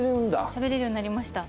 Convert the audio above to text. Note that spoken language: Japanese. しゃべれるようになりました。